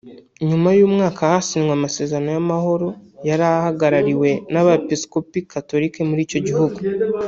nyuma y’umwaka hasinywe amasezerano y’amahoro yari ahagarariwe n’abepiskopi Katolika mur’icyo gihugu